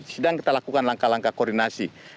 sedang kita lakukan langkah langkah koordinasi